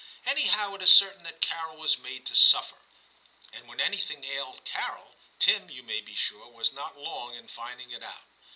Anyhow it is certain that Carol was made to suffer. And when anything ailed Carol, Tim, you may be sure, was not long in finding it out.